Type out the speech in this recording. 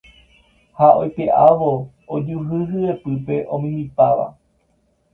Ha oipe'ávo ojuhu hyepypegua omimbipáva.